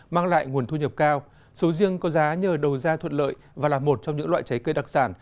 mang lại nguồn thu nhập cao sầu riêng có giá nhờ đầu ra thuận lợi và là một trong những loại trái cây đặc sản